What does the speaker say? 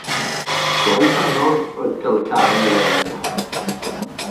Gwaith anodd oedd cael y car i'w le yn iawn.